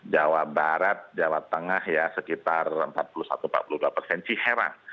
jawa barat jawa tengah sekitar empat puluh satu empat puluh dua persen ciherang